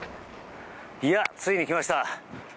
ついに来ました。